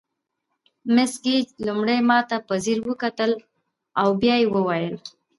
مس ګیج لومړی ماته په ځیر وکتل او بیا یې وویل.